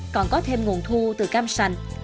còn có thêm nguồn thu từ cam sành